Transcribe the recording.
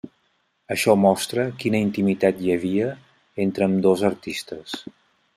Això mostra quina intimitat hi havia entre ambdós artistes.